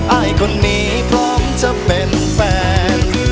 อายคนนี้พร้อมจะเป็นแฟน